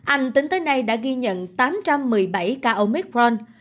anh tính tới nay đã ghi nhận tám trăm một mươi bảy ca oecron